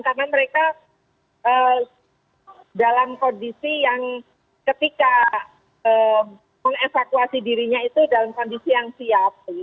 karena mereka dalam kondisi yang ketika mengevakuasi dirinya itu dalam kondisi yang siap